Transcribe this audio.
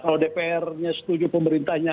oh dpr nya setuju pemerintahnya